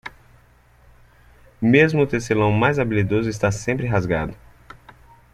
Mesmo o tecelão mais habilidoso está sempre rasgado.